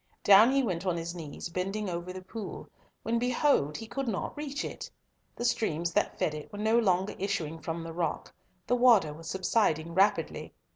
Down he went on his knees, bending over the pool, when behold he could not reach it! The streams that fed it were no longer issuing from the rock, the water was subsiding rapidly.